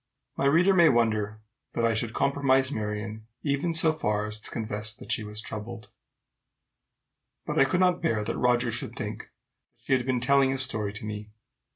My reader may wonder that I should compromise Marion, even so far as to confess that she was troubled; but I could not bear that Roger should think she had been telling his story to me.